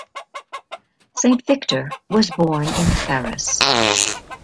Saint-Victor was born in Paris.